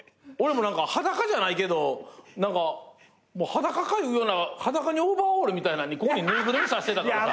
裸じゃないけど裸かいうような裸にオーバーオールみたいなんにここに縫いぐるみ挿してたから。